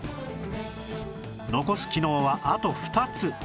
残す機能はあと２つ